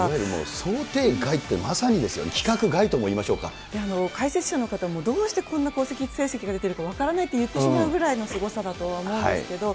想定外ってまさにですよね、解説者の方も、どうしてこんな好成績が出ているのか分からないと言ってしまうくらいのすごさだとは思うんですけれども。